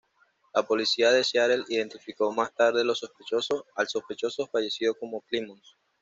La policía de Seattle identificó más tarde al sospechoso fallecido como Clemmons.